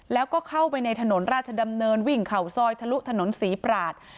แล้วก็เข้าไปในถนนราชดำเนินวิ่งเข่าซอยทะลุถนนศรีปราศ